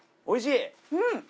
おいしい？